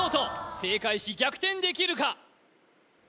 正解し逆転できるか！？